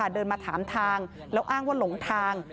เดินมาถามทางแล้วอ้างว่าหลงทาง